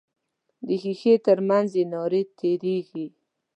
د ښیښې تر منځ یې نارې تیریږي.